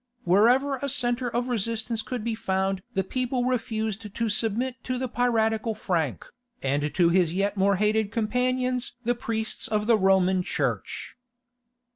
Wherever a centre of resistance could be found the people refused to submit to the piratical Frank, and to his yet more hated companions the priests of the Roman Church.